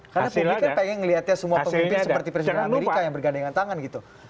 karena publik kan pengen melihatnya semua pemimpin seperti presiden amerika yang bergandengan tangan gitu